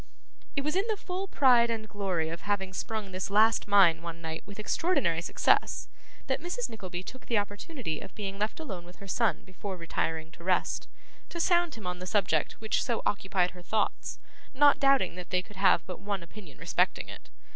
It was in the full pride and glory of having sprung this last mine one night with extraordinary success, that Mrs. Nickleby took the opportunity of being left alone with her son before retiring to rest, to sound him on the subject which so occupied her thoughts: not doubting that they could have but one opinion respecting it.